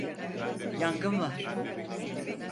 Yangın var!